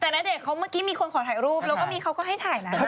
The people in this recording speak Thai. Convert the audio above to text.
แต่ณเดชนเขาเมื่อกี้มีคนขอถ่ายรูปแล้วก็มีเขาก็ให้ถ่ายนะ